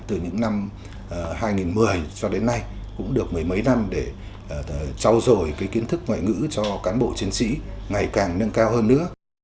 từ những năm hai nghìn một mươi cho đến nay cũng được mấy mấy năm để trao dồi kiến thức ngoại ngữ cho cán bộ chiến sĩ ngày càng nâng cao hơn nữa